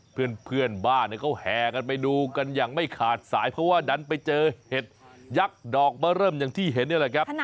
ประมาณ๕๕เซติเมตรนี่แหละ